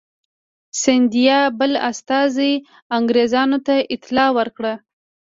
د سیندیا بل استازي انګرېزانو ته اطلاع ورکړه.